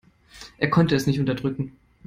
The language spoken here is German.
Er konnte es nicht unterdrücken.